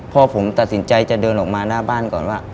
พ่อผมตัดสินใจจะเดินออกมาหน้าบ้านก่อนว่า